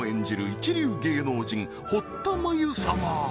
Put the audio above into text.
一流芸能人堀田真由様